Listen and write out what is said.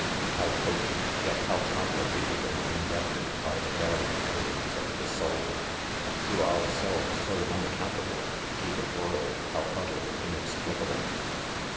' ^'How potent, yet ho|w complicated L andjii~ definite, are the varying motives of the sour! ,: to ourseWs how unaccountable ! to the world how utterly inexplicable